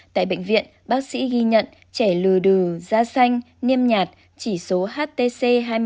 tại bệnh viện bác sĩ ghi nhận trẻ lừa đừ da xanh niêm nhạt chỉ số htc hai mươi